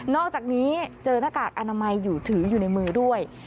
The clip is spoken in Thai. อกจากนี้เจอหน้ากากอนามัยอยู่ถืออยู่ในมือด้วย